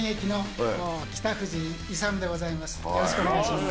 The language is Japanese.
よろしくお願いします。